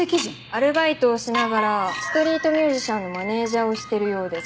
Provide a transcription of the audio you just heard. アルバイトをしながらストリートミュージシャンのマネジャーをしてるようです。